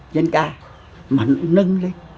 dân ca mà nó nâng lên